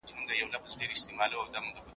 توا نه و راغلی.